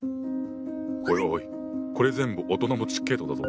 おいおいこれ全部大人のチケットだぞ。